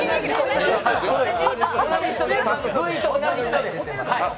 Ｖと同じ人です。